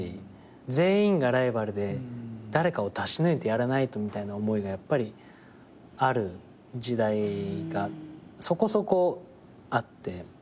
全員がライバルで誰かを出し抜いてやらないとみたいな思いがやっぱりある時代がそこそこあって。